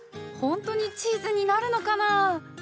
ほんとにチーズになるのかな？